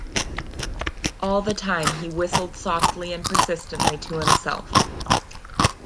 All the time he whistled softly and persistently to himself.